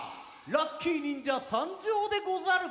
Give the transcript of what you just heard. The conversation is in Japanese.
ラッキィにんじゃさんじょうでござる！